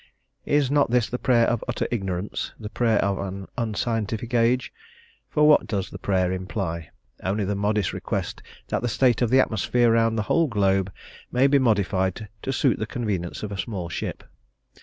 Is not this the prayer of utter ignorance, the prayer of an unscientific age? For what does the prayer imply? Only the modest request that the state of the atmosphere round the whole globe may be modified to suit the convenience of a small ship!